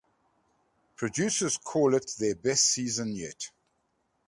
Producers called it their best season yet.